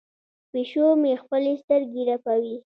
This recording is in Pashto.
پیشو مې خپلې سترګې رپوي.